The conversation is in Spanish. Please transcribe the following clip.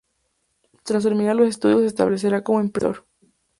Tras terminar los estudios se establecerá como impresor y editor.